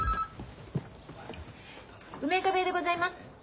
☎梅若部屋でございます。